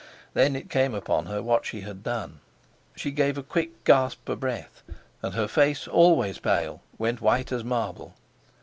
Then it came upon her what she had done. She gave a quick gasp for breath, and her face, always pale, went white as marble.